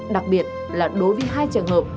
đặc biệt là đối với hai trường hợp